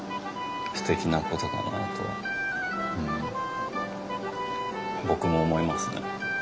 すてきなことだなと僕も思いますね。